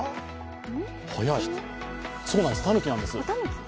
早い、そうなんです、たぬきなんです。